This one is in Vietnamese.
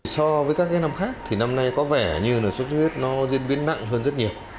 so với các năm khác năm nay có vẻ như số xuất huyết diễn biến nặng hơn rất nhiều